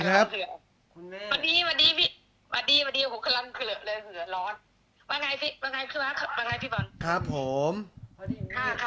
แล้วเหลือร้อนว่างัยสิวะวังไงพี่บอล